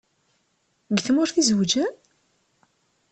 Deg tmurt i zewǧen?